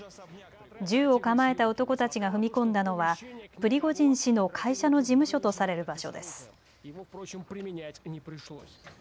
銃を構えた男たちが踏み込んだのはプリゴジン氏の会社の事務所とされる場所です。